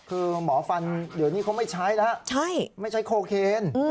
คือหมอฟันเดี๋ยวนี้เขาไม่ใช้แล้วไม่ใช้โคเคน